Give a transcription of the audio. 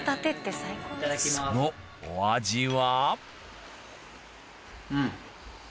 そのお味は？